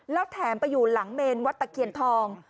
แล้วแถมไปอยู่หลังเมนวัดตะเคียนทอง